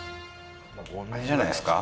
この辺じゃないですか？